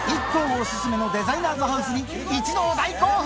オススメのデザイナーズハウスに一同大興奮！